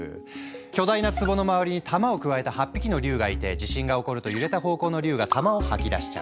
巨大な壺の周りに玉をくわえた８匹の龍がいて地震が起こると揺れた方向の龍が玉を吐き出しちゃう。